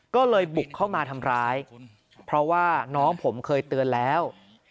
ก็เลยบุกเข้ามาทำร้ายเพราะว่าน้องผมเคยเตือนแล้ว